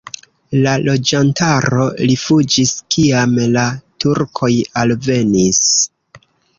La loĝantaro rifuĝis, kiam la turkoj alvenis.